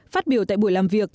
phát biểu tại buổi làm việc